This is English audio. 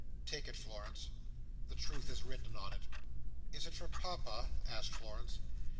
Take it, Florence. The truth is written in it." "Is it for Papa?" asked Florence.